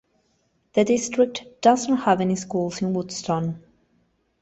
The district doesn't have any schools in Woodston.